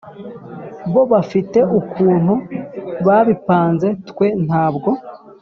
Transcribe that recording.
bo bafite ukuntu babipanze twe ntabwo